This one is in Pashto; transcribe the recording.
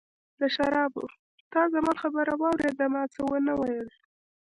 د شرابو، تا زما خبره واورېده، ما څه ونه ویل.